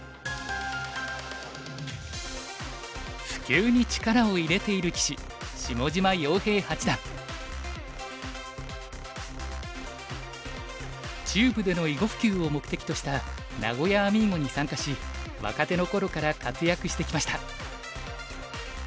普及に力を入れている棋士中部での囲碁普及を目的とした名古屋アミーゴに参加し若手の頃から活躍してきました。